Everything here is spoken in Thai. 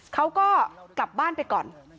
เขาก็กลับบ้านไปก่อน